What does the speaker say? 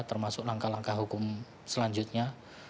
termasuk langkah langkah hukum selanjutnya